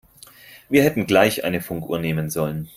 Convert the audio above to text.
Wir hätten gleich eine Funkuhr nehmen sollen.